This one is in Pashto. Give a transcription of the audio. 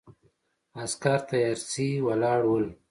عسکر تیارسي ولاړ ول.